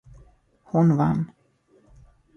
Hon vann.